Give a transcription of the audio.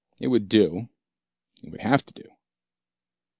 It would do, it would have to do.